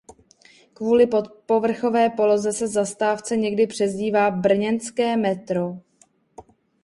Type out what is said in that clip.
Kvůli podpovrchové poloze se zastávce někdy přezdívá „brněnské metro“.